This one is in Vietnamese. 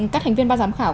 các thành viên ba giám khảo